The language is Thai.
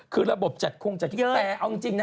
คือระบบจัดคงจัดแต่เอาจริงนะ